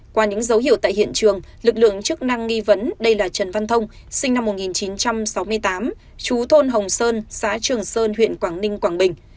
qua những dấu hiệu tại hiện trường lực lượng chức năng nghi vấn đây là trần văn thông sinh năm một nghìn chín trăm sáu mươi tám chú thôn hồng sơn xã trường sơn huyện quảng ninh quảng bình